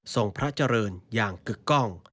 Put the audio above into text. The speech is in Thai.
พระเจริญอย่างกึกกล้อง